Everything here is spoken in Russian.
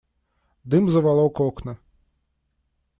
Дым заволок окна.